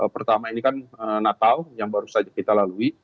pertama ini kan natal yang baru saja kita lalui